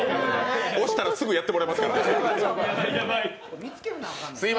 押したらすぐやってもらいますからね。